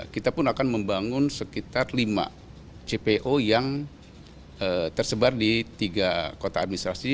kita pun akan membangun sekitar lima cpo yang tersebar di tiga kota administrasi